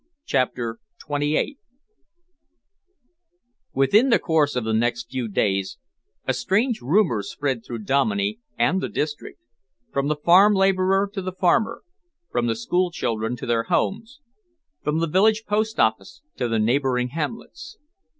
CHAPTER XXVIII Within the course of the next few days, a strange rumour spread through Dominey and the district, from the farm labourer to the farmer, from the school children to their homes, from the village post office to the neighbouring hamlets.